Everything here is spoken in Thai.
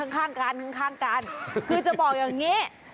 ข้างกันข้างกันคือจะบอกอย่างนี้